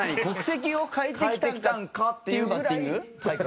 国籍を変えてきたんかっていうバッティング？